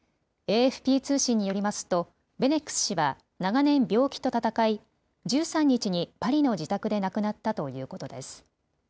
ＡＦＰ通信によりますとベネックス氏は長年、病気と闘い１３日にパリの自宅で亡くなったということです。